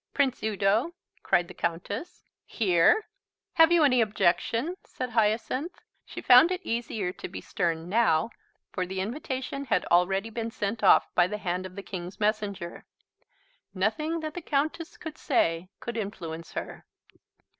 "Prince Udo?" cried the Countess. "Here?" "Have you any objection?" said Hyacinth. She found it easier to be stern now, for the invitation had already been sent off by the hand of the King's Messenger. Nothing that the Countess could say could influence her.